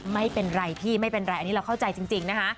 ไม่เป็นไรพี่ไม่เป็นไรอันนี้เราเข้าใจจริงนะคะ